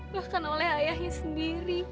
bahkan oleh ayahnya sendiri